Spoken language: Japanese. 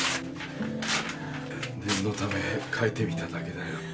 念のため書いてみただけだよ。